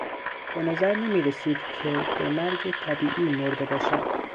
به نظر نمیرسید که به مرگ طبیعی مرده باشد.